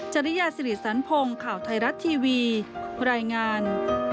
จริยาสิริสันพงศ์ข่าวไทยรัฐทีวีรายงาน